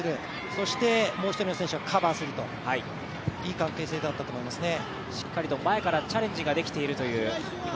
そしてもう１人の選手はカバーするいい関係性だったと思いますね。